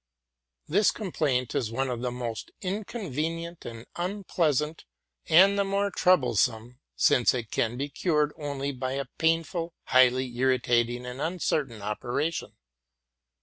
This complaint is one of the most inconvenient and unpleasant, and the more troublesome as it can be cured only by a painful, highly irritating, and uncertain operation.